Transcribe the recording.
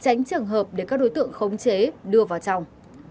tránh trường hợp để các đối tượng khống chế đưa vào trong